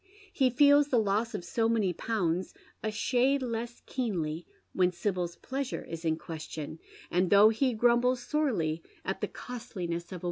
He feels the loss of so many pounds a shade lees keenly when Sibyl's pleasure is in question, and though he grumbles sorely at the costliness of • itom Stephen Trenchard Forjivc 9.